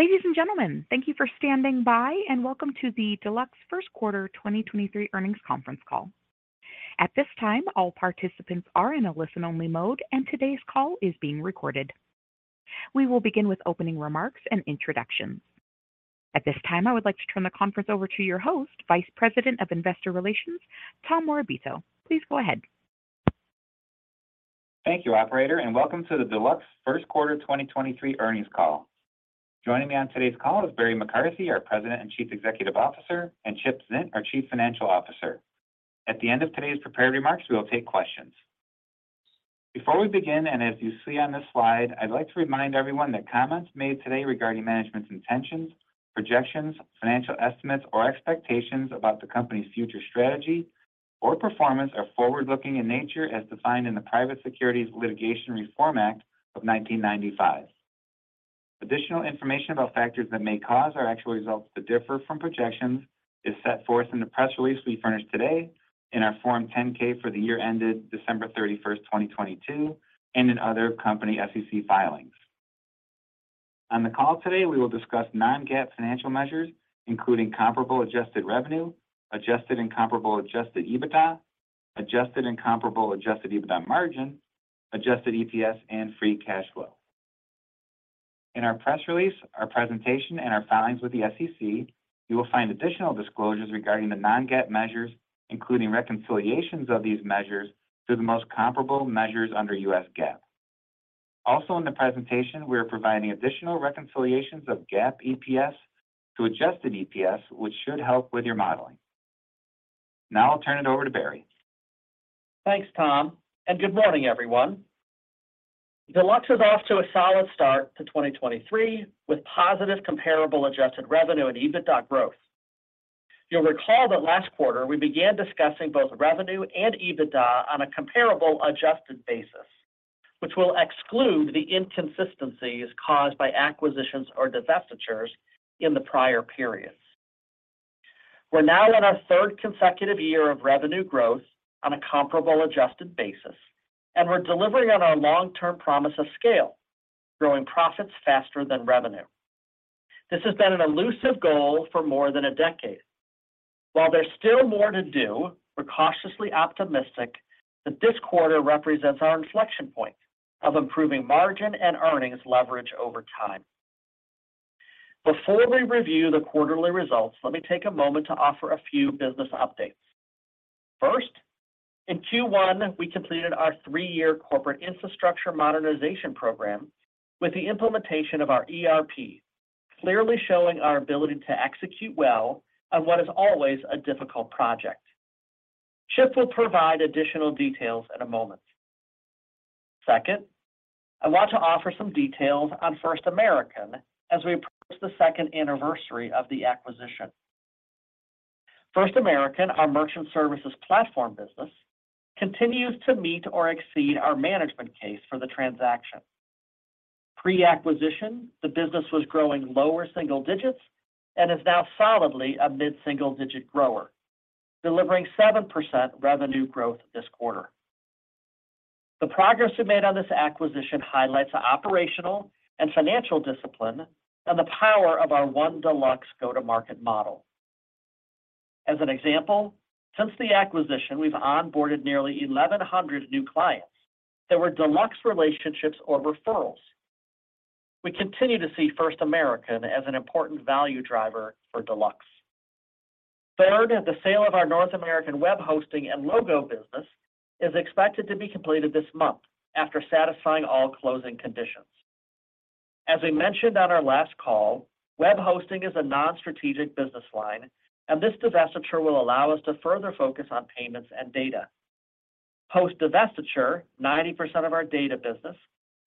Ladies and gentlemen, thank you for standing by. Welcome to the Deluxe Q1 2023 Earnings Conference Call. At this time, all participants are in a listen-only mode. Today's call is being recorded. We will begin with opening remarks and introductions. At this time, I would like to turn the conference over to your host, Vice President of Investor Relations, Tom Morabito. Please go ahead. Thank you, operator, and welcome to the Deluxe Q1 2023 earnings call. Joining me on today's call is Barry McCarthy, our President and Chief Executive Officer, and Chip Zint, our Chief Financial Officer. At the end of today's prepared remarks, we will take questions. Before we begin, and as you see on this slide, I'd like to remind everyone that comments made today regarding management's intentions, projections, financial estimates, or expectations about the company's future strategy or performance are forward-looking in nature as defined in the Private Securities Litigation Reform Act of 1995. Additional information about factors that may cause our actual results to differ from projections is set forth in the press release we furnished today, in our Form 10-K for the year ended December 31st, 2022, and in other company SEC filings. On the call today, we will discuss non-GAAP financial measures, including comparable adjusted revenue, adjusted and comparable adjusted EBITDA, adjusted and comparable adjusted EBITDA margin, adjusted EPS, and free cash flow. In our press release, our presentation, and our filings with the SEC, you will find additional disclosures regarding the non-GAAP measures, including reconciliations of these measures to the most comparable measures under U.S. GAAP. In the presentation, we are providing additional reconciliations of GAAP EPS to adjusted EPS, which should help with your modeling. I'll turn it over to Barry. Thanks, Tom. Good morning, everyone. Deluxe is off to a solid start to 2023 with positive comparable adjusted revenue and EBITDA growth. You'll recall that last quarter we began discussing both revenue and EBITDA on a comparable adjusted basis, which will exclude the inconsistencies caused by acquisitions or divestitures in the prior periods. We're now in our third consecutive year of revenue growth on a comparable adjusted basis. We're delivering on our long-term promise of scale, growing profits faster than revenue. This has been an elusive goal for more than a decade. While there's still more to do, we're cautiously optimistic that this quarter represents our inflection point of improving margin and earnings leverage over time. Before we review the quarterly results, let me take a moment to offer a few business updates. First, in Q1, we completed our three-year corporate infrastructure modernization program with the implementation of our ERP, clearly showing our ability to execute well on what is always a difficult project. Chip will provide additional details in a moment. Second, I want to offer some details on First American as we approach the second anniversary of the acquisition. First American, our merchant services platform business, continues to meet or exceed our management case for the transaction. Pre-acquisition, the business was growing lower single digits and is now solidly a mid-single digit grower, delivering 7% revenue growth this quarter. The progress we've made on this acquisition highlights the operational and financial discipline and the power of our One Deluxe go-to-market model. As an example, since the acquisition, we've onboarded nearly 1,100 new clients that were Deluxe relationships or referrals. We continue to see First American as an important value driver for Deluxe. Third, the sale of our North American web hosting and logo business is expected to be completed this month after satisfying all closing conditions. As we mentioned on our last call, web hosting is a non-strategic business line, and this divestiture will allow us to further focus on payments and data. Post-divestiture, 90% of our data business,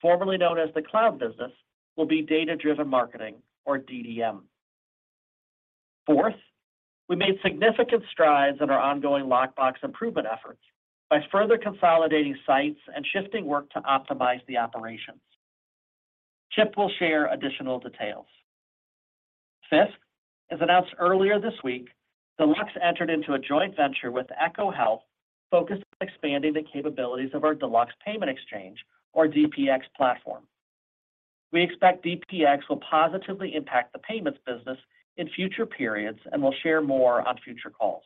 formerly known as the cloud business, will be data-driven marketing or DDM. Fourth, we made significant strides in our ongoing Lockbox improvement efforts by further consolidating sites and shifting work to optimize the operations. Chip will share additional details. Fifth, as announced earlier this week, Deluxe entered into a joint venture with ECHO Health focused on expanding the capabilities of our Deluxe Payment Exchange or DPX platform. We expect DPX will positively impact the payments business in future periods and will share more on future calls.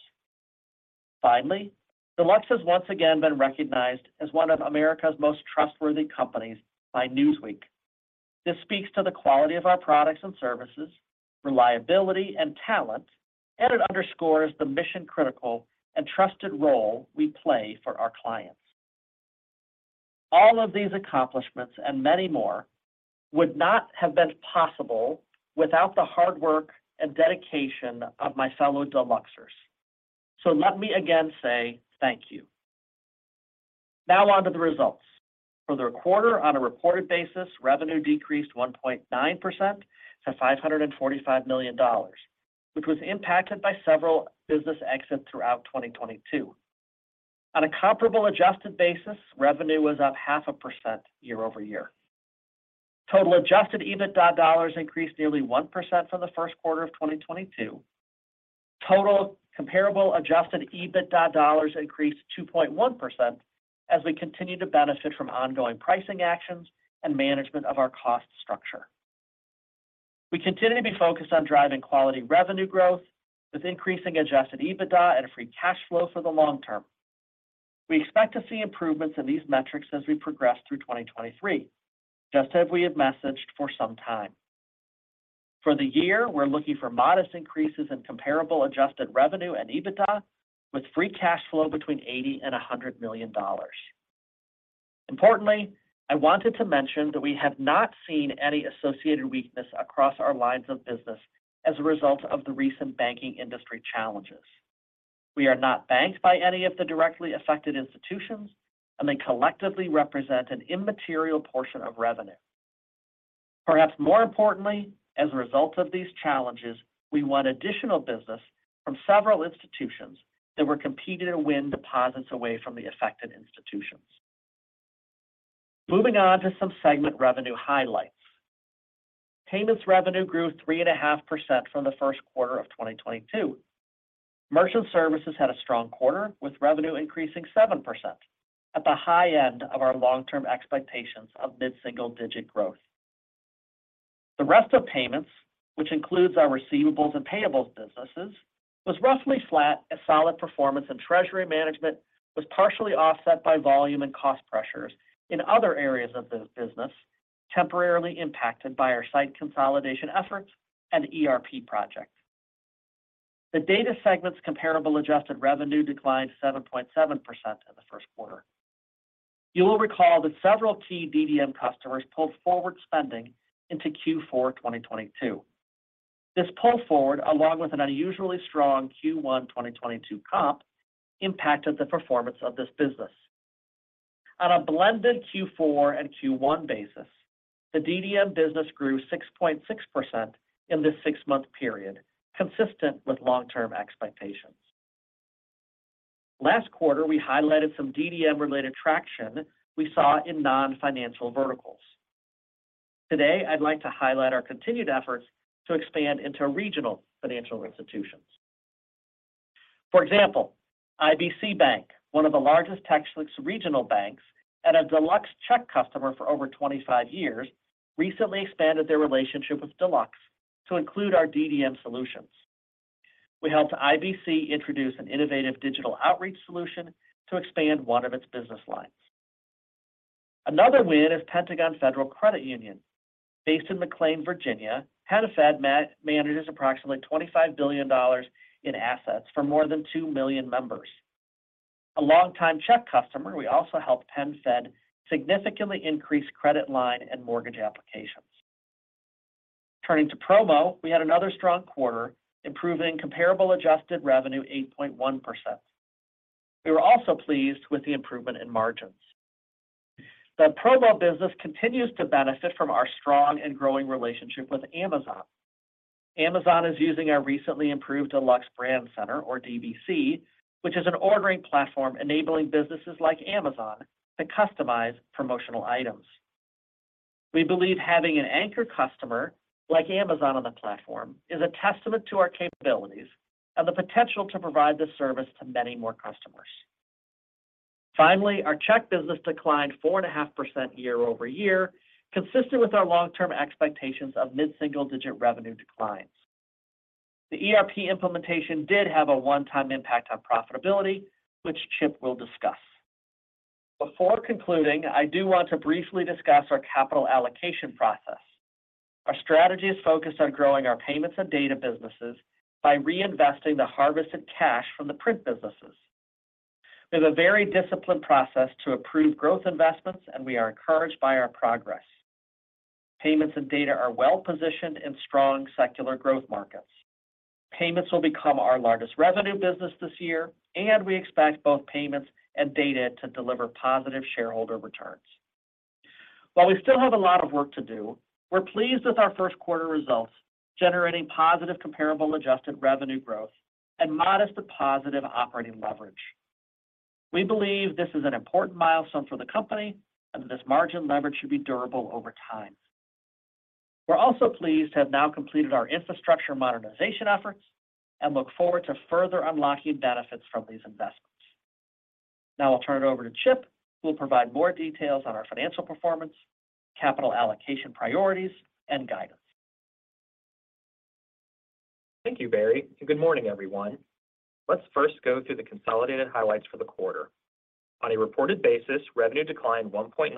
Deluxe has once again been recognized as one of America's most trustworthy companies by Newsweek. This speaks to the quality of our products and services, reliability, and talent, and it underscores the mission-critical and trusted role we play for our clients. All of these accomplishments, and many more, would not have been possible without the hard work and dedication of my fellow Deluxers. Let me again say thank you. Now on to the results. For the quarter, on a reported basis, revenue decreased 1.9% to $545 million, which was impacted by several business exits throughout 2022. On a comparable adjusted basis, revenue was up 0.5% year-over-year. Total adjusted EBITDA dollars increased nearly 1% from the Q1 of 2022. Total comparable adjusted EBITDA dollars increased 2.1% as we continue to benefit from ongoing pricing actions and management of our cost structure. We continue to be focused on driving quality revenue growth with increasing adjusted EBITDA and free cash flow for the long term. We expect to see improvements in these metrics as we progress through 2023, just as we have messaged for some time. For the year, we're looking for modest increases in comparable adjusted revenue and EBITDA with free cash flow between $80 million-$100 million. Importantly, I wanted to mention that we have not seen any associated weakness across our lines of business as a result of the recent banking industry challenges. We are not banked by any of the directly affected institutions. They collectively represent an immaterial portion of revenue. Perhaps more importantly, as a result of these challenges, we won additional business from several institutions that were competing to win deposits away from the affected institutions. Moving on to some segment revenue highlights. Payments revenue grew 3.5% from the Q1 of 2022. Merchant services had a strong quarter with revenue increasing 7% at the high end of our long-term expectations of mid-single-digit growth. The rest of payments, which includes our receivables and payables businesses, was roughly flat as solid performance in treasury management was partially offset by volume and cost pressures in other areas of the business temporarily impacted by our site consolidation efforts and ERP project. The data segment's comparable adjusted revenue declined 7.7% in the Q1. You'll recall that several key DDM customers pulled forward spending into Q4 2022. This pull forward, along with an unusually strong Q1 2022 comp, impacted the performance of this business. On a blended Q4 and Q1 basis, the DDM business grew 6.6% in this 6-month period, consistent with long-term expectations. Last quarter, we highlighted some DDM-related traction we saw in non-financial verticals. Today, I'd like to highlight our continued efforts to expand into regional financial institutions. For example, IBC Bank, one of the largest Texan regional banks and a Deluxe Check customer for over 25 years, recently expanded their relationship with Deluxe to include our DDM solutions. We helped IBC introduce an innovative digital outreach solution to expand one of its business lines. Another win is Pentagon Federal Credit Union. Based in McLean, Virginia, PenFed manages approximately $25 billion in assets for more than 2 million members. A longtime Check customer, we also helped PenFed significantly increase credit line and mortgage applications. Turning to Promo, we had another strong quarter, improving comparable adjusted revenue 8.1%. We were also pleased with the improvement in margins. The Promo business continues to benefit from our strong and growing relationship with Amazon. Amazon is using our recently improved Deluxe Brand Center, or DBC, which is an ordering platform enabling businesses like Amazon to customize promotional items. We believe having an anchor customer like Amazon on the platform is a testament to our capabilities and the potential to provide this service to many more customers. Finally, our Check business declined four and a half percent year-over-year, consistent with our long-term expectations of mid-single-digit revenue declines. The ERP implementation did have a one-time impact on profitability, which Chip will discuss. Before concluding, I do want to briefly discuss our capital allocation process. Our strategy is focused on growing our payments and data businesses by reinvesting the harvested cash from the print businesses. We have a very disciplined process to approve growth investments, and we are encouraged by our progress. Payments and data are well-positioned in strong secular growth markets. Payments will become our largest revenue business this year, and we expect both payments and data to deliver positive shareholder returns. While we still have a lot of work to do, we're pleased with our Q1 results, generating positive comparable adjusted revenue growth and modest to positive operating leverage. We believe this is an important milestone for the company and that this margin leverage should be durable over time. We're also pleased to have now completed our infrastructure modernization efforts and look forward to further unlocking benefits from these investments. I'll turn it over to Chip, who will provide more details on our financial performance, capital allocation priorities, and guidance. Thank you, Barry. Good morning, everyone. Let's first go through the consolidated highlights for the quarter. On a reported basis, revenue declined 1.9%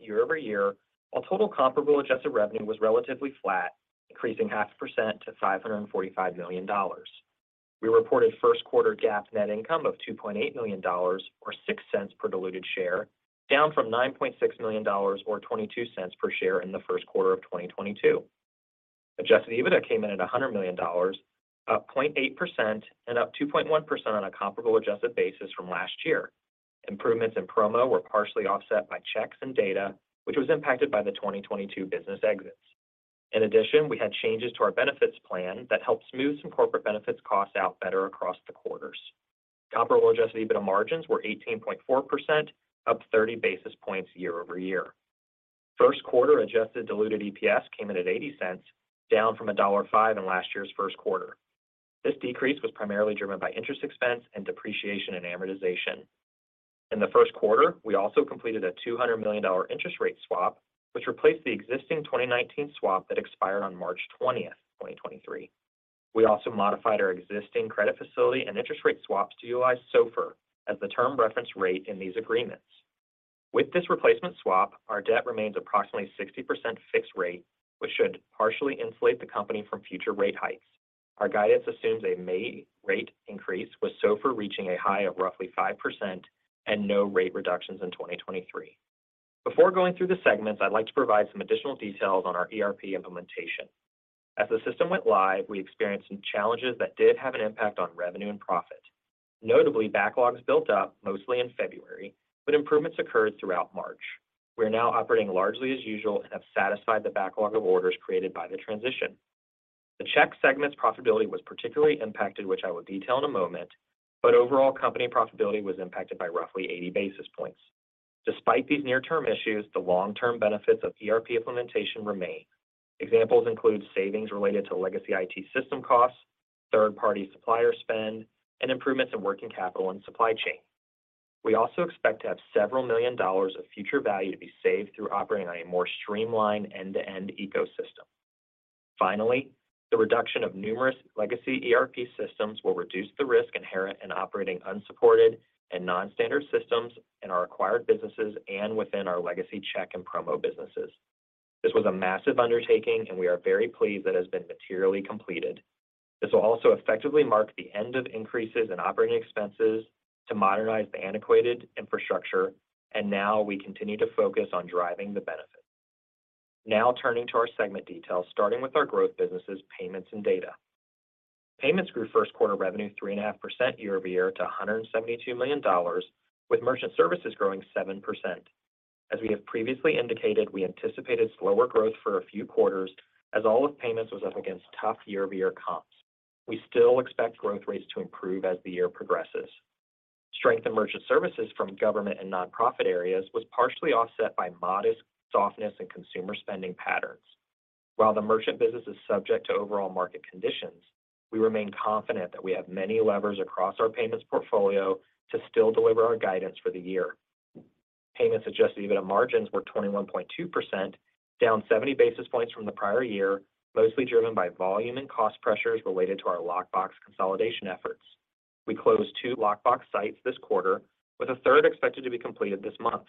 year-over-year, while total comparable adjusted revenue was relatively flat, increasing 0.5% to $545 million. We reported Q1 GAAP net income of $2.8 million or $0.06 per diluted share, down from $9.6 million or $0.22 per share in the Q1 of 2022. Adjusted EBITDA came in at $100 million, up 0.8% and up 2.1% on a comparable adjusted basis from last year. Improvements in promo were partially offset by checks and data, which was impacted by the 2022 business exits. In addition, we had changes to our benefits plan that helped smooth some corporate benefits costs out better across the quarters. Comparable adjusted EBITDA margins were 18.4%, up 30 basis points year-over-year. Q1 adjusted diluted EPS came in at $0.80, down from $1.05 in last year's Q1. This decrease was primarily driven by interest expense and depreciation and amortization. In the Q1, we also completed a $200 million interest rate swap, which replaced the existing 2019 swap that expired on March 20, 2023. We also modified our existing credit facility and interest rate swaps to utilize SOFR as the term reference rate in these agreements. With this replacement swap, our debt remains approximately 60% fixed rate, which should partially insulate the company from future rate hikes. Our guidance assumes a May rate increase, with SOFR reaching a high of roughly 5% and no rate reductions in 2023. Before going through the segments, I'd like to provide some additional details on our ERP implementation. As the system went live, we experienced some challenges that did have an impact on revenue and profit. Notably, backlogs built up mostly in February, but improvements occurred throughout March. We are now operating largely as usual and have satisfied the backlog of orders created by the transition. The Check segment's profitability was particularly impacted, which I will detail in a moment, but overall company profitability was impacted by roughly 80 basis points. Despite these near-term issues, the long-term benefits of ERP implementation remain. Examples include savings related to legacy IT system costs, third-party supplier spend, and improvements in working capital and supply chain. We also expect to have several million dollars of future value to be saved through operating on a more streamlined end-to-end ecosystem. The reduction of numerous legacy ERP systems will reduce the risk inherent in operating unsupported and non-standard systems in our acquired businesses and within our legacy Check and Promo businesses. This was a massive undertaking, and we are very pleased that it has been materially completed. This will also effectively mark the end of increases in operating expenses to modernize the antiquated infrastructure. Now we continue to focus on driving the benefits. Turning to our segment details, starting with our growth businesses, Payments and Data. Payments grew Q1 revenue three and a half % year-over-year to $172 million, with merchant services growing 7%. As we have previously indicated, we anticipated slower growth for a few quarters as all of Payments was up against tough year-over-year comps. We still expect growth rates to improve as the year progresses. Strength in merchant services from government and nonprofit areas was partially offset by modest softness in consumer spending patterns. While the merchant business is subject to overall market conditions, we remain confident that we have many levers across our Payments portfolio to still deliver our guidance for the year. Payments adjusted EBITDA margins were 21.2%, down 70 basis points from the prior year, mostly driven by volume and cost pressures related to our Lockbox consolidation efforts. We closed two Lockbox sites this quarter, with a third expected to be completed this month.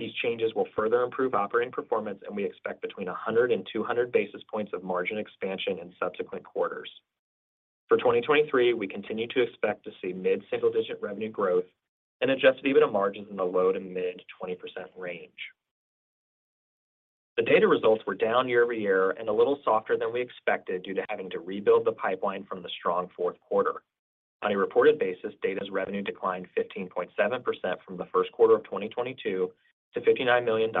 These changes will further improve operating performance, we expect between 100-200 basis points of margin expansion in subsequent quarters. For 2023, we continue to expect to see mid-single-digit revenue growth and adjusted EBITDA margins in the low to mid 20% range. The data results were down year-over-year and a little softer than we expected due to having to rebuild the pipeline from the strong Q4. On a reported basis, Data's revenue declined 15.7% from the Q1 of 2022 to $59 million.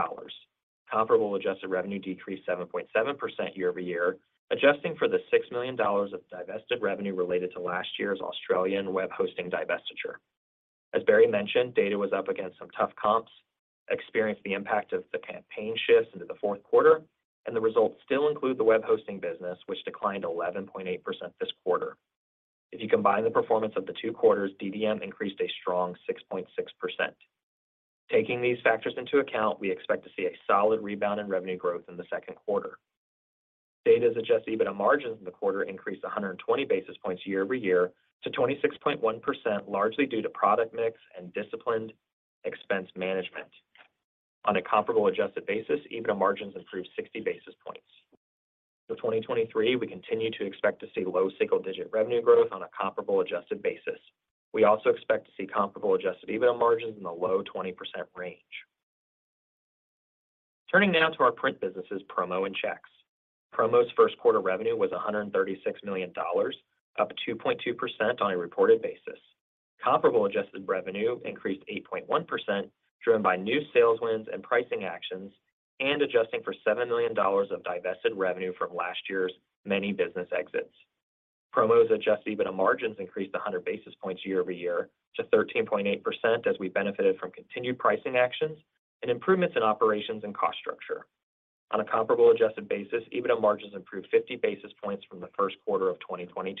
Comparable adjusted revenue decreased 7.7% year-over-year, adjusting for the $6 million of divested revenue related to last year's Australian web hosting divestiture. As Barry mentioned, Data was up against some tough comps, experienced the impact of the campaign shifts into the Q4. The results still include the web hosting business, which declined 11.8% this quarter. If you combine the performance of the two quarters, DDM increased a strong 6.6%. Taking these factors into account, we expect to see a solid rebound in revenue growth in the Q2. Data's adjusted EBITDA margins in the quarter increased 120 basis points year-over-year to 26.1%, largely due to product mix and disciplined expense management. On a comparable adjusted basis, EBITDA margins improved 60 basis points. For 2023, we continue to expect to see low single-digit revenue growth on a comparable adjusted basis. We also expect to see comparable adjusted EBITDA margins in the low 20% range. Turning now to our print businesses, Promo and Checks. Promo's Q1 revenue was $136 million, up 2.2% on a reported basis. Comparable adjusted revenue increased 8.1%, driven by new sales wins and pricing actions, and adjusting for $7 million of divested revenue from last year's many business exits. Promo's adjusted EBITDA margins increased 100 basis points year-over-year to 13.8% as we benefited from continued pricing actions and improvements in operations and cost structure. On a comparable adjusted basis, EBITDA margins improved 50 basis points from the Q1 of 2022.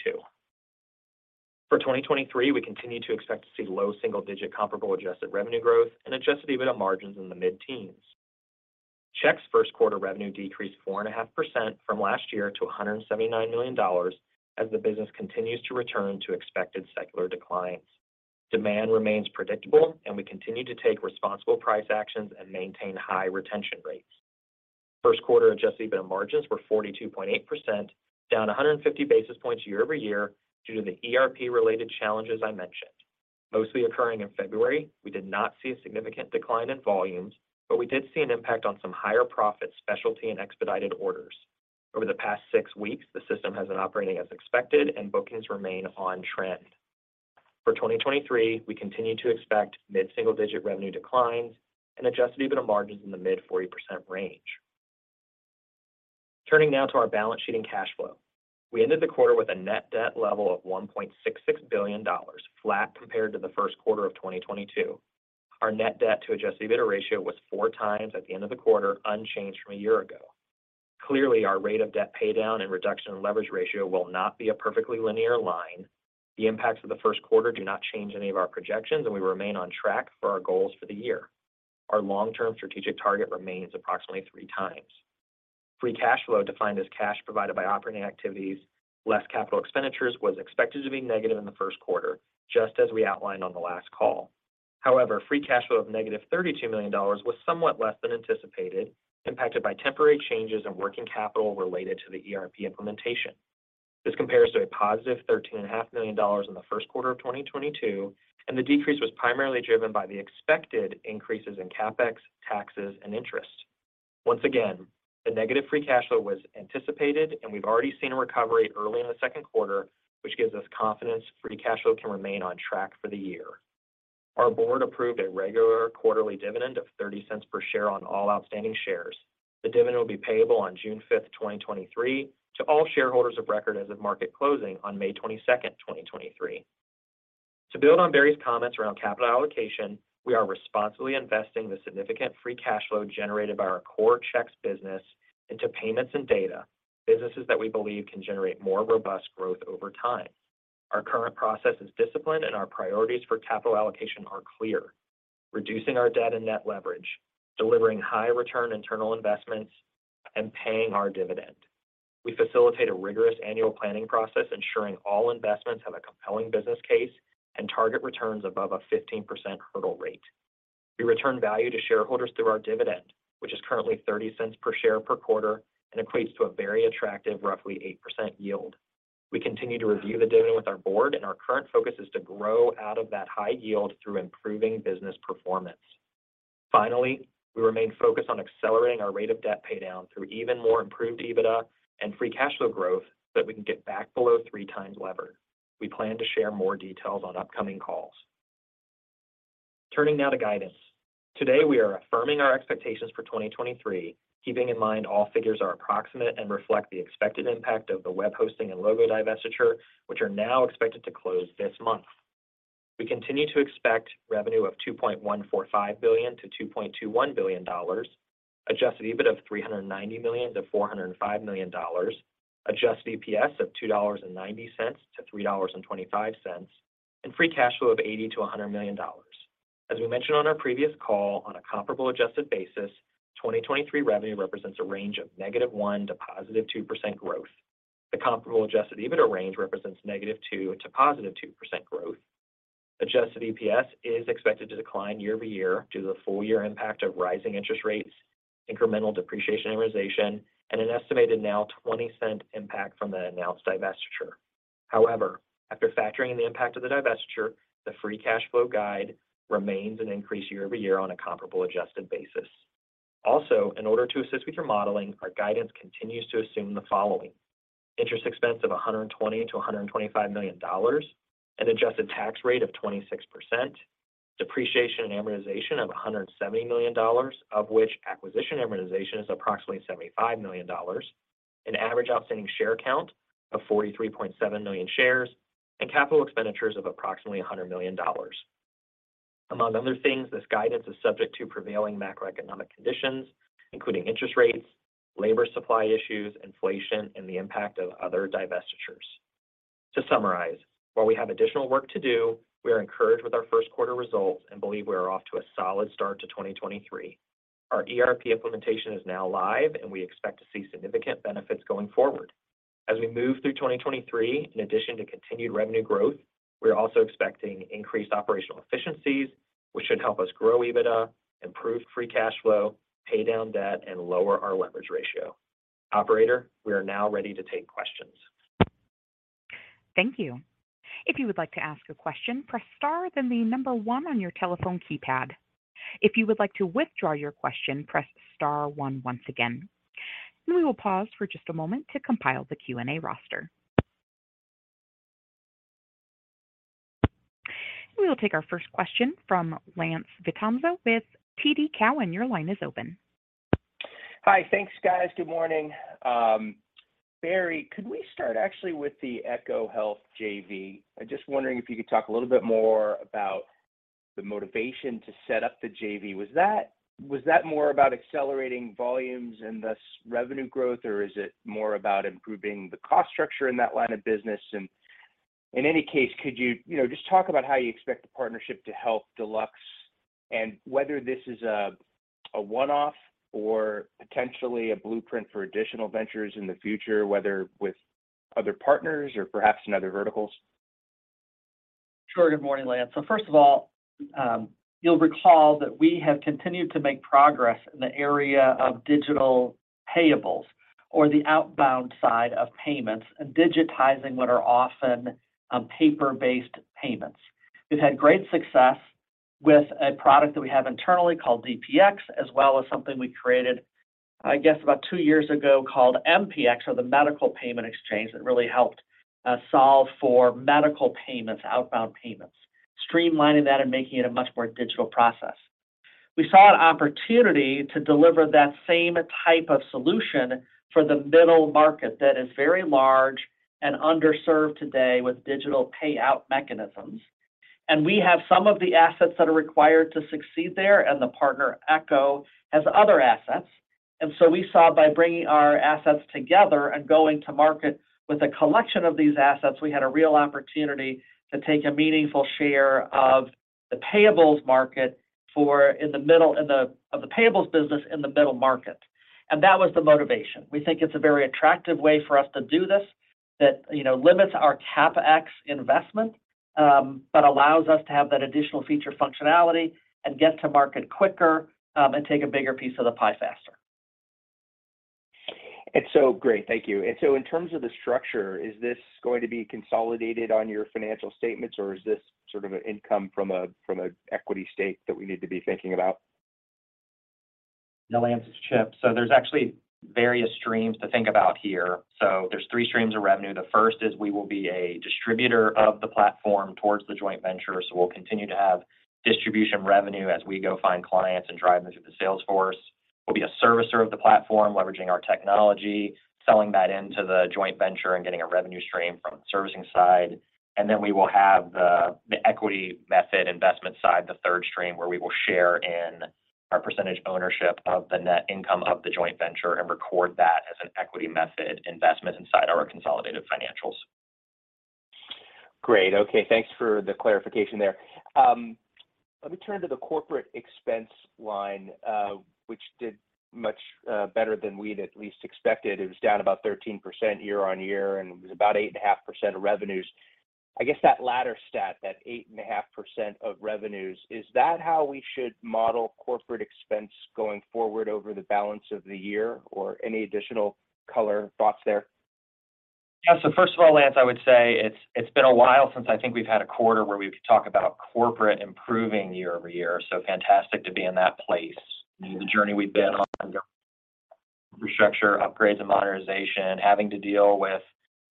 For 2023, we continue to expect to see low single-digit comparable adjusted revenue growth and adjusted EBITDA margins in the mid-teens. Checks' Q1 revenue decreased 4.5% from last year to $179 million as the business continues to return to expected secular declines. Demand remains predictable, and we continue to take responsible price actions and maintain high retention rates. Q1 adjusted EBITDA margins were 42.8%, down 150 basis points year-over-year due to the ERP-related challenges I mentioned. Mostly occurring in February, we did not see a significant decline in volumes, but we did see an impact on some higher profit specialty and expedited orders. Over the past 6 weeks, the system has been operating as expected, and bookings remain on trend. For 2023, we continue to expect mid-single-digit revenue declines and adjusted EBITDA margins in the mid-40% range. Turning now to our balance sheet and cash flow. We ended the quarter with a net debt level of $1.66 billion, flat compared to the Q1 of 2022. Our net debt to adjusted EBITDA ratio was 4 times at the end of the quarter, unchanged from a year ago. Clearly, our rate of debt paydown and reduction in leverage ratio will not be a perfectly linear line. The impacts of the Q1 do not change any of our projections, and we remain on track for our goals for the year. Our long-term strategic target remains approximately 3 times. Free cash flow, defined as cash provided by operating activities less capital expenditures, was expected to be negative in the Q1, just as we outlined on the last call. However, free cash flow of -$32 million was somewhat less than anticipated, impacted by temporary changes in working capital related to the ERP implementation. This compares to a positive thirteen and a half million dollars in the Q1 of 2022, and the decrease was primarily driven by the expected increases in CapEx, taxes, and interest. Once again, the negative free cash flow was anticipated, and we've already seen a recovery early in the Q2, which gives us confidence free cash flow can remain on track for the year. Our board approved a regular quarterly dividend of $0.30 per share on all outstanding shares. The dividend will be payable on June fifth, 2023 to all shareholders of record as of market closing on May twenty-second, 2023. To build on Barry's comments around capital allocation, we are responsibly investing the significant free cash flow generated by our core checks business into payments and data, businesses that we believe can generate more robust growth over time. Our current process is disciplined, and our priorities for capital allocation are clear: reducing our debt and net leverage, delivering high return internal investments, and paying our dividend. We facilitate a rigorous annual planning process ensuring all investments have a compelling business case and target returns above a 15% hurdle rate. We return value to shareholders through our dividend, which is currently $0.30 per share per quarter and equates to a very attractive roughly 8% yield. We continue to review the dividend with our board, and our current focus is to grow out of that high yield through improving business performance. Finally, we remain focused on accelerating our rate of debt paydown through even more improved EBITDA and free cash flow growth so that we can get back below three times lever. We plan to share more details on upcoming calls. Turning now to guidance. Today, we are affirming our expectations for 2023, keeping in mind all figures are approximate and reflect the expected impact of the web hosting and logo divestiture, which are now expected to close this month. We continue to expect revenue of $2.145 billion-$2.21 billion, adjusted EBITDA of $390 million-$405 million, adjusted EPS of $2.90-$3.25, and free cash flow of $80 million-$100 million. As we mentioned on our previous call, on a comparable adjusted basis, 2023 revenue represents a range of -1% to +2% growth. The comparable adjusted EBITDA range represents -2% to +2% growth. Adjusted EPS is expected to decline year-over-year due to the full year impact of rising interest rates, incremental depreciation amortization, and an estimated now $0.20 impact from the announced divestiture. After factoring in the impact of the divestiture, the free cash flow guide remains an increase year-over-year on a comparable adjusted basis. In order to assist with your modeling, our guidance continues to assume the following: interest expense of $120 million-$125 million, an adjusted tax rate of 26%, depreciation and amortization of $170 million, of which acquisition amortization is approximately $75 million, an average outstanding share count of 43.7 million shares, and capital expenditures of approximately $100 million. Among other things, this guidance is subject to prevailing macroeconomic conditions, including interest rates, labor supply issues, inflation, and the impact of other divestitures. To summarize, while we have additional work to do, we are encouraged with our Q1 results and believe we are off to a solid start to 2023. Our ERP implementation is now live, and we expect to see significant benefits going forward. As we move through 2023, in addition to continued revenue growth, we are also expecting increased operational efficiencies, which should help us grow EBITDA, improve free cash flow, pay down debt, and lower our leverage ratio. Operator, we are now ready to take questions. Thank you. If you would like to ask a question, press star, then the number one on your telephone keypad. If you would like to withdraw your question, press star one once again. We will pause for just a moment to compile the Q&A roster. We will take our first question from Lance Vitanza with TD Cowen. Your line is open. Hi. Thanks, guys. Good morning. Barry, could we start actually with the ECHO Health JV? I'm just wondering if you could talk a little bit more about the motivation to set up the JV. Was that more about accelerating volumes and thus revenue growth, or is it more about improving the cost structure in that line of business? In any case, could you know, just talk about how you expect the partnership to help Deluxe and whether this is a one-off or potentially a blueprint for additional ventures in the future, whether with other partners or perhaps in other verticals? Sure. Good morning, Lance. First of all, you'll recall that we have continued to make progress in the area of digital payables or the outbound side of payments and digitizing what are often paper-based payments. We've had great success with a product that we have internally called DPX, as well as something we created, I guess, about two years ago called MPX or the Medical Payment Exchange that really helped solve for medical payments, outbound payments, streamlining that and making it a much more digital process. We saw an opportunity to deliver that same type of solution for the middle market that is very large and underserved today with digital payout mechanisms. We have some of the assets that are required to succeed there, and the partner, ECHO, has other assets. We saw by bringing our assets together and going to market with a collection of these assets, we had a real opportunity to take a meaningful share of the payables market for the payables business in the middle market. That was the motivation. We think it's a very attractive way for us to do this that, you know, limits our CapEx investment, but allows us to have that additional feature functionality and get to market quicker, and take a bigger piece of the pie faster. Great. Thank you. In terms of the structure, is this going to be consolidated on your financial statements, or is this sort of an income from a, from a equity stake that we need to be thinking about? No, Lance, it's Chip. There's actually various streams to think about here. There's three streams of revenue. The first is we will be a distributor of the platform towards the joint venture. We'll continue to have distribution revenue as we go find clients and drive them through the sales force. We'll be a servicer of the platform, leveraging our technology, selling that into the joint venture and getting a revenue stream from the servicing side. Then we will have the equity method investment side, the third stream, where we will share in our percentage ownership of the net income of the joint venture and record that as an equity method investment inside our consolidated financials. Great. Okay. Thanks for the clarification there. Let me turn to the corporate expense line, which did much better than we'd at least expected. It was down about 13% year-on-year and was about 8.5% of revenues. I guess that latter stat, that 8.5% of revenues, is that how we should model corporate expense going forward over the balance of the year or any additional color thoughts there? Yeah. First of all, Lance, I would say it's been a while since I think we've had a quarter where we could talk about corporate improving year-over-year. Fantastic to be in that place. The journey we've been on restructure, upgrades, and modernization, having to deal with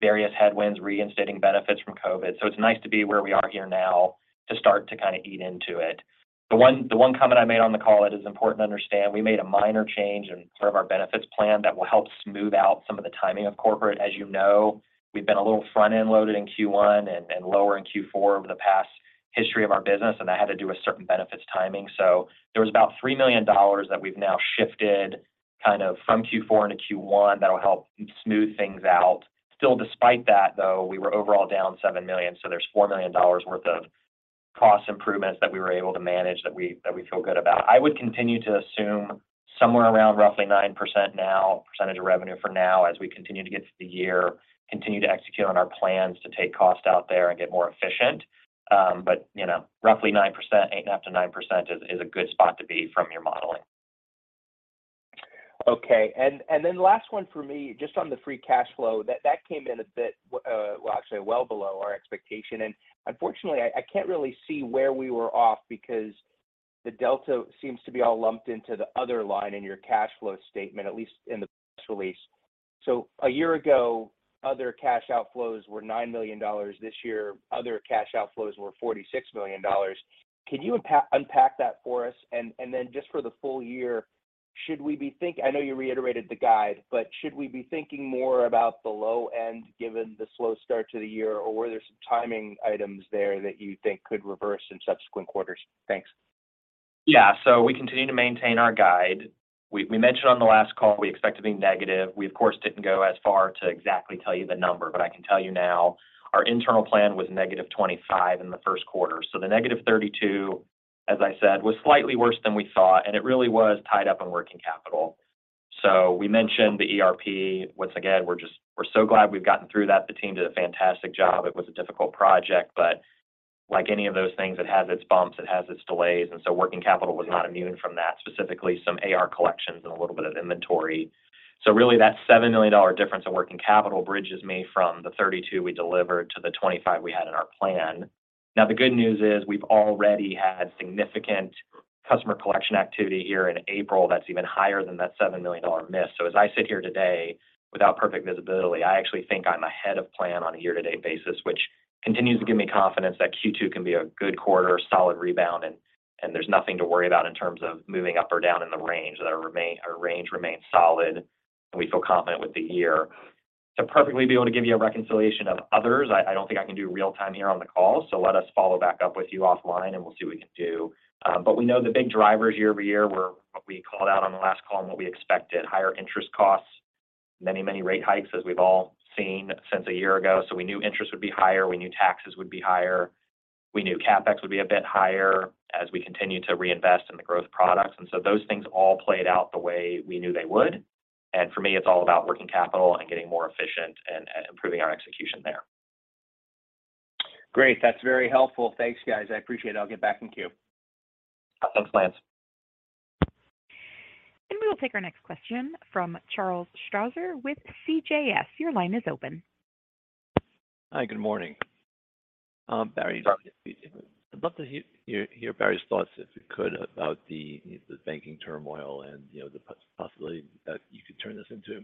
various headwinds, reinstating benefits from COVID. It's nice to be where we are here now to start to kind of eat into it. The one comment I made on the call that is important to understand, we made a minor change in part of our benefits plan that will help smooth out some of the timing of corporate. As you know, we've been a little front-end loaded in Q1 and lower in Q4 over the past history of our business, and that had to do with certain benefits timing. There was about $3 million that we've now shifted kind of from Q4 into Q1 that'll help smooth things out. Still despite that, though, we were overall down $7 million. There's $4 million worth of cost improvements that we were able to manage that we feel good about. I would continue to assume somewhere around roughly 9% now, percentage of revenue for now as we continue to get to the year, continue to execute on our plans to take cost out there and get more efficient. You know, roughly 9%, 8.5%-9% is a good spot to be from your modeling. Okay. Last one for me, just on the free cash flow. That came in a bit, well, actually well below our expectation. Unfortunately, I can't really see where we were off because the delta seems to be all lumped into the other line in your cash flow statement, at least in the press release. A year ago, other cash outflows were $9 million. This year, other cash outflows were $46 million. Can you unpack that for us? Just for the full year, should we be thinking, I know you reiterated the guide, but should we be thinking more about the low end given the slow start to the year, or were there some timing items there that you think could reverse in subsequent quarters? Thanks. Yeah. We continue to maintain our guide. We mentioned on the last call we expect to be negative. We, of course, didn't go as far to exactly tell you the number, but I can tell you now our internal plan was negative $25 in the Q1. The negative $32, as I said, was slightly worse than we thought, and it really was tied up in working capital. We mentioned the ERP. Once again, we're so glad we've gotten through that. The team did a fantastic job. It was a difficult project, but like any of those things, it has its bumps, it has its delays, working capital was not immune from that, specifically some AR collections and a little bit of inventory. Really that $7 million difference in working capital bridges me from the $32 million we delivered to the $25 million we had in our plan. The good news is we've already had significant customer collection activity here in April that's even higher than that $7 million miss. As I sit here today without perfect visibility, I actually think I'm ahead of plan on a year-to-date basis, which continues to give me confidence that Q2 can be a good quarter, solid rebound, and there's nothing to worry about in terms of moving up or down in the range. Our range remains solid, and we feel confident with the year. To perfectly be able to give you a reconciliation of others, I don't think I can do real-time here on the call. Let us follow back up with you offline, and we'll see what we can do. We know the big drivers year-over-year were what we called out on the last call and what we expected, higher interest costs, many rate hikes as we've all seen since a year ago. We knew interest would be higher. We knew taxes would be higher. We knew CapEx would be a bit higher as we continue to reinvest in the growth products. Those things all played out the way we knew they would. For me, it's all about working capital and getting more efficient and improving our execution there. Great. That's very helpful. Thanks, guys. I appreciate it. I'll get back in queue. Thanks, Lance. We will take our next question from Charles Strause with CJS. Your line is open. Hi. Good morning. Good luck. I'd love to hear Barry's thoughts, if you could, about the banking turmoil and, you know, possibly that you could turn this into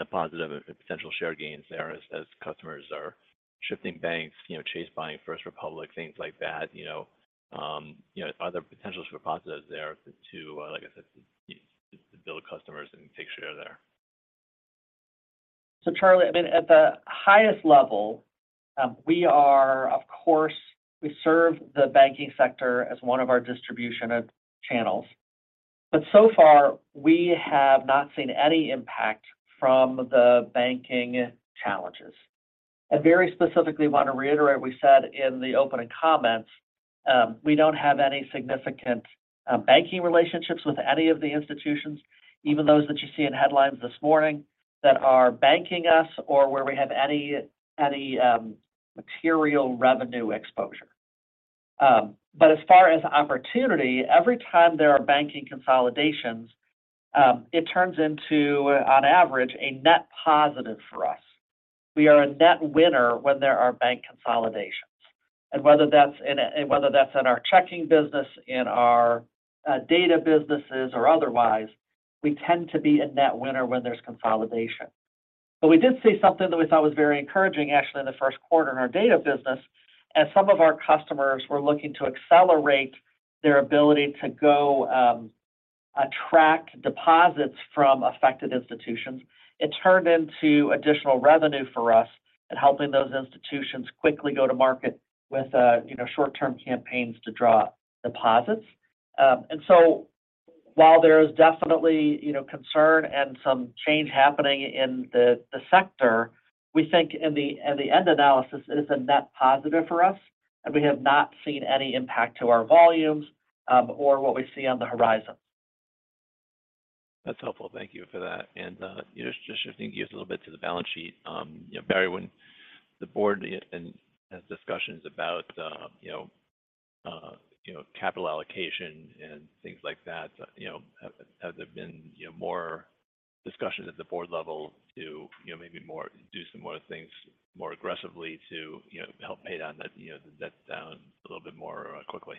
a positive, a potential share gains there as customers are shifting banks, you know, Chase buying First Republic, things like that, you know, are there potential positives there to, like I said, to build customers and take share there? Charlie, I mean, at the highest level, we are of course we serve the banking sector as one of our distribution channels. So far we have not seen any impact from the banking challenges. I very specifically want to reiterate what we said in the opening comments. We don't have any significant banking relationships with any of the institutions, even those that you see in headlines this morning that are banking us or where we have any material revenue exposure. As far as opportunity, every time there are banking consolidations, it turns into on average a net positive for us. We are a net winner when there are bank consolidations. Whether that's in our checking business, in our data businesses or otherwise, we tend to be a net winner when there's consolidation. We did see something that we thought was very encouraging actually in the Q1 in our data business. As some of our customers were looking to accelerate their ability to go, attract deposits from affected institutions, it turned into additional revenue for us in helping those institutions quickly go to market with, you know, short-term campaigns to draw deposits. While there is definitely, you know, concern and some change happening in the sector, we think in the end analysis it is a net positive for us, and we have not seen any impact to our volumes, or what we see on the horizon. That's helpful. Thank you for that. You know, just shifting gears a little bit to the balance sheet. You know, Barry, when the board and has discussions about, you know, you know, capital allocation and things like that, you know, have, has there been, you know, more discussions at the board level to, you know, maybe do some more things more aggressively to, you know, help pay down that, you know, the debt down a little bit more quickly?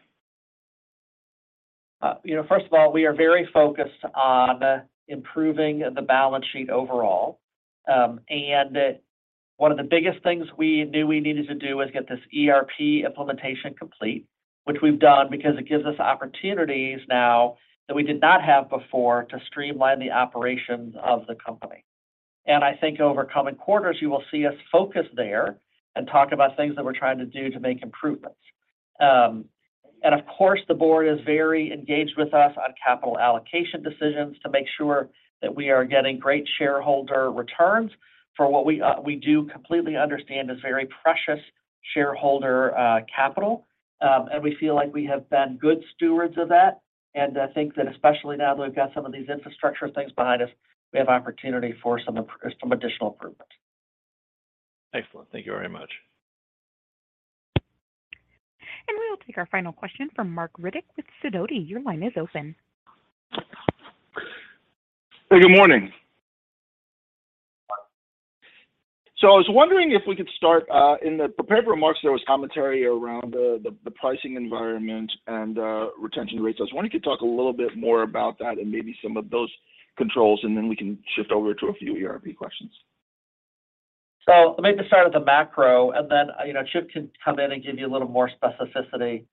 You know, first of all, we are very focused on improving the balance sheet overall. One of the biggest things we knew we needed to do was get this ERP implementation complete, which we've done because it gives us opportunities now that we did not have before to streamline the operations of the company. I think over coming quarters, you will see us focus there and talk about things that we're trying to do to make improvements. Of course the board is very engaged with us on capital allocation decisions to make sure that we are getting great shareholder returns for what we do completely understand is very precious shareholder capital. We feel like we have been good stewards of that. I think that especially now that we've got some of these infrastructure things behind us, we have opportunity for some additional improvements. Excellent. Thank you very much. We'll take our final question from Marc Riddick with Sidoti. Your line is open. Hey, good morning. I was wondering if we could start in the prepared remarks there was commentary around the pricing environment and retention rates. I was wondering if you could talk a little bit more about that and maybe some of those controls, then we can shift over to a few ERP questions? Let me just start with the macro and then, you know, Chip can come in and give you a little more specificity.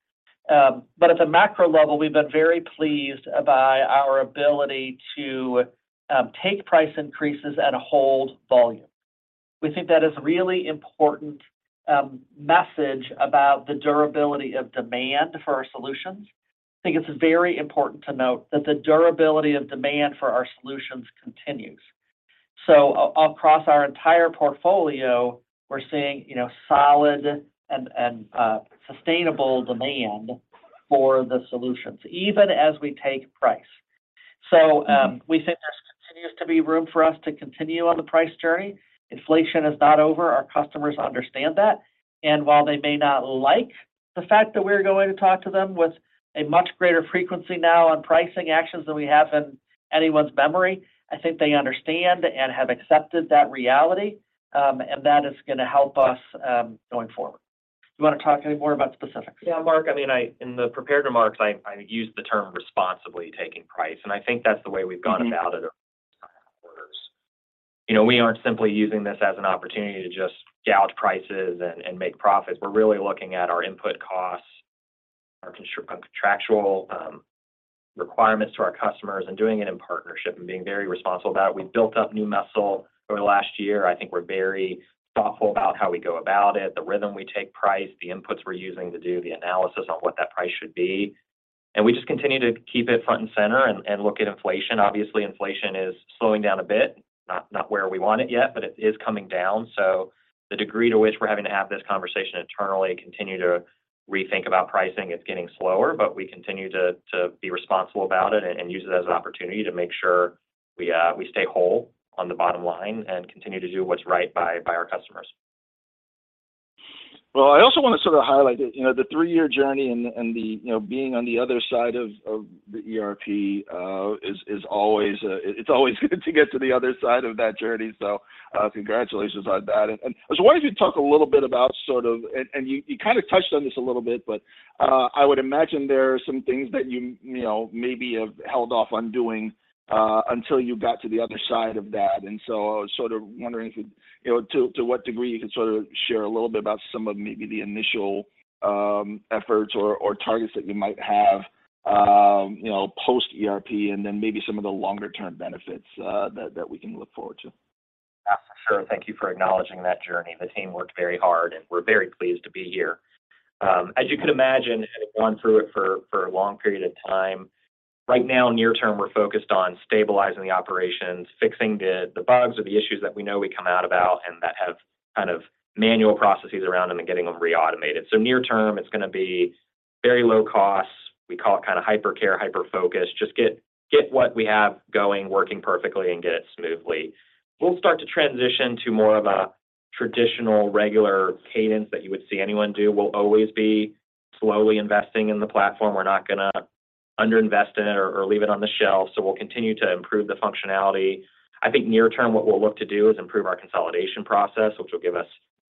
At the macro level we've been very pleased by our ability to take price increases and hold volume. We think that is a really important message about the durability of demand for our solutions. I think it's very important to note that the durability of demand for our solutions continues. Across our entire portfolio we're seeing, you know, solid and sustainable demand for the solutions even as we take price. We think there continues to be room for us to continue on the price journey. Inflation is not over. Our customers understand that. While they may not like the fact that we are going to talk to them with a much greater frequency now on pricing actions than we have in anyone's memory, I think they understand and have accepted that reality. That is going to help us going forward. Do you want to talk any more about specifics? Marc, I mean I in the prepared remarks, I used the term responsibly taking price. I think that's the way we've gone about it over the past couple of quarters. You know, we aren't simply using this as an opportunity to just gouge prices and make profits. We're really looking at our input costs, our contractual requirements to our customers and doing it in partnership and being very responsible about it. We've built up new muscle over the last year. I think we're very thoughtful about how we go about it, the rhythm we take price, the inputs we're using to do the analysis on what that price should be. We just continue to keep it front and center and look at inflation. Obviously inflation is slowing down a bit. Not where we want it yet, but it is coming down. The degree to which we're having to have this conversation internally continue to rethink about pricing is getting slower. We continue to be responsible about it and use it as an opportunity to make sure we stay whole on the bottom line and continue to do what's right by our customers. Well, I also want to sort of highlight that, you know, the three-year journey and the, you know, being on the other side of the ERP, is always, it's always good to get to the other side of that journey. Congratulations on that. I was wondering if you'd talk a little bit about sort of... You kind of touched on this a little bit, but I would imagine there are some things that you know, maybe have held off on doing until you got to the other side of that. I was sort of wondering if you know, to what degree you could sort of share a little bit about some of maybe the initial efforts or targets that you might have, you know, post-ERP and then maybe some of the longer term benefits that we can look forward to. Sure. Thank you for acknowledging that journey. The team worked very hard, and we're very pleased to be here. As you could imagine, having gone through it for a long period of time, right now, near term, we're focused on stabilizing the operations, fixing the bugs or the issues that we know we come out about and that have kind of manual processes around them and getting them re-automated. Near term, it's gonna be very low cost. We call it kind of hypercare, hyperfocus. Just get what we have going, working perfectly and get it smoothly. We'll start to transition to more of a traditional regular cadence that you would see anyone do. We'll always be slowly investing in the platform. We're not gonna under-invest in it or leave it on the shelf, so we'll continue to improve the functionality. I think near term what we'll look to do is improve our consolidation process, which will give us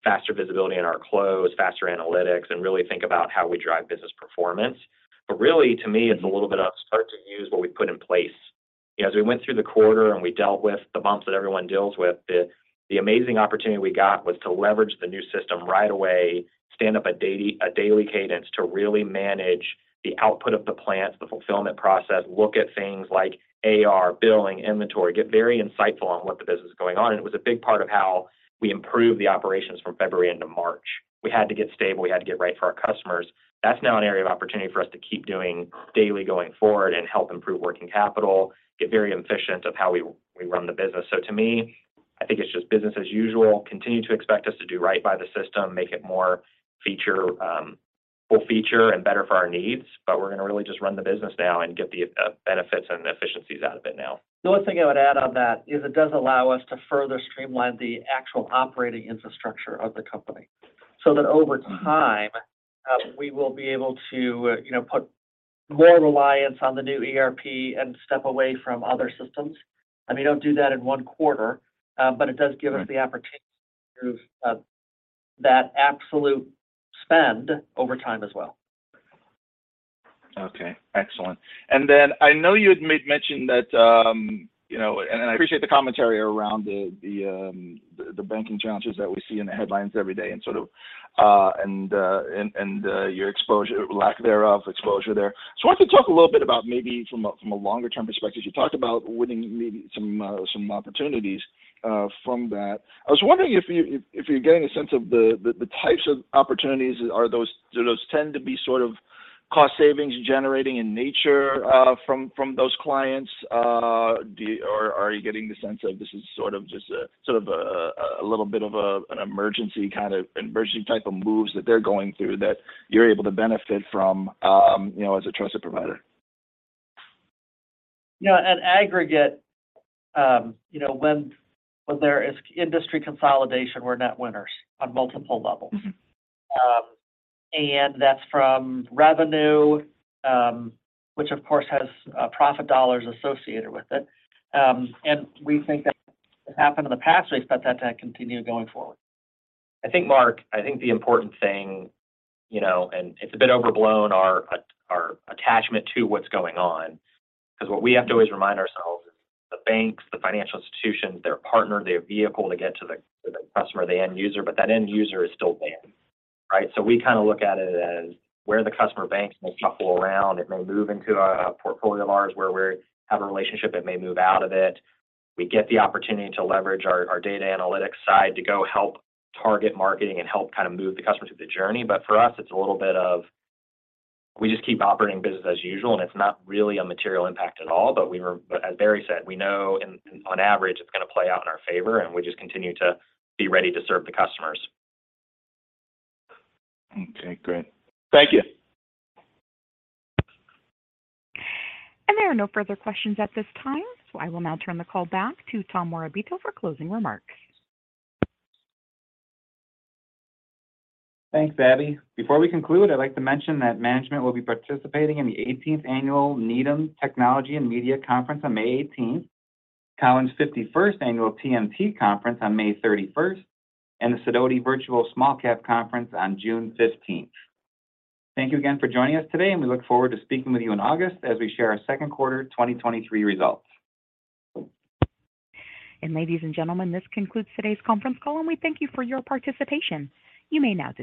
faster visibility in our close, faster analytics, and really think about how we drive business performance. Really, to me, it's a little bit of start to use what we've put in place. You know, as we went through the quarter and we dealt with the bumps that everyone deals with, the amazing opportunity we got was to leverage the new system right away, stand up a daily cadence to really manage the output of the plants, the fulfillment process, look at things like AR, billing, inventory, get very insightful on what the business is going on. It was a big part of how we improved the operations from February into March. We had to get stable. We had to get right for our customers. That's now an area of opportunity for us to keep doing daily going forward and help improve working capital, get very efficient of how we run the business. To me, I think it's just business as usual. Continue to expect us to do right by the system, make it more feature, full feature and better for our needs, but we're gonna really just run the business now and get the benefits and efficiencies out of it now. The one thing I would add on that is it does allow us to further streamline the actual operating infrastructure of the company so that over time, we will be able to, you know, put more reliance on the new ERP and step away from other systems. I mean, don't do that in 1 quarter, but it does give us the opportunity to, that absolute spend over time as well. Okay. Excellent. I know you had mentioned that, you know, I appreciate the commentary around the banking challenges that we see in the headlines every day and sort of your exposure, lack thereof, exposure there. I want to talk a little bit about maybe from a longer term perspective. You talked about winning maybe some opportunities from that. I was wondering if you're getting a sense of the types of opportunities. Do those tend to be sort of cost savings generating in nature from those clients? Do you... Are you getting the sense of this is sort of just a little bit of a, an emergency type of moves that they're going through that you're able to benefit from, you know, as a trusted provider? You know, at aggregate, you know, when there is industry consolidation, we're net winners on multiple levels. That's from revenue, which of course has profit dollars associated with it. We think that happened in the past. We expect that to continue going forward. I think, Marc, I think the important thing, you know, and it's a bit overblown, our attachment to what's going on, 'cause what we have to always remind ourselves is the banks, the financial institutions, they're a partner, they're a vehicle to get to the, to the customer, the end user, but that end user is still there, right? We kinda look at it as where the customer banks may shuffle around. It may move into a portfolio of ours where we have a relationship. It may move out of it. We get the opportunity to leverage our data analytics side to go help target marketing and help kinda move the customer through the journey. For us, it's a little bit of we just keep operating business as usual, and it's not really a material impact at all. As Barry said, we know and on average, it's gonna play out in our favor, and we just continue to be ready to serve the customers. Okay. Great. Thank you. There are no further questions at this time, so I will now turn the call back to Tom Morabito for closing remarks. Thanks, Abby. Before we conclude, I'd like to mention that management will be participating in the 18th annual Needham Technology & Media Conference on May 18th, Cowen's 51st annual TMT Conference on May 31st, and the Sidoti Virtual Small-Cap Conference on June 15th. Thank you again for joining us today, and we look forward to speaking with you in August as we share our Q2 2023 results. Ladies and gentlemen, this concludes today's conference call, and we thank you for your participation. You may now disconnect.